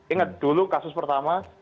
ingat dulu kasus pertama